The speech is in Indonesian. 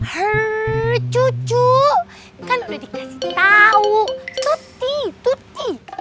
hrrr cucu kan udah dikasih tahu tuti tuti